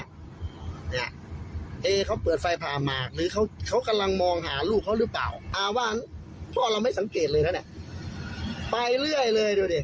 เนี่ยเอเขาเปิดไฟผ่าหมากหรือเขาเขากำลังมองหาลูกเขาหรือเปล่าอาว่าพ่อเราไม่สังเกตเลยนะเนี่ยไปเรื่อยเลยดูดิ